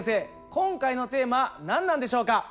今回のテーマ何なんでしょうか？